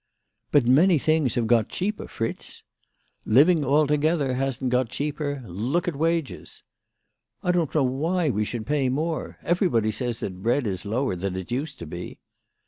" But many things have got cheaper, Fritz." " Living altogether hasn't got cheaper. Look at wages !"" I don't know why we should pay more. Every body says that bread is lower than it used to be."